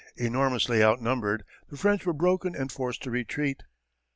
Enormously outnumbered, the French were broken and forced to retreat.